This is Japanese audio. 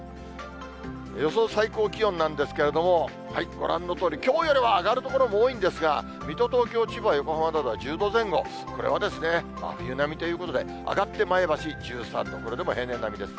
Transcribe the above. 予想最高気温なんですけれども、ご覧のとおり、きょうよりは上がる所も多いんですが、水戸、東京、千葉、横浜などは１０度前後、これは真冬並みということで、上がって前橋１３度、これでも平年並みです。